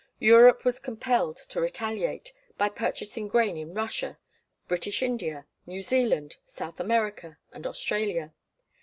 Europe was compelled to retaliate, by purchasing grain in Russia, British India, New Zealand, South America, and Australia.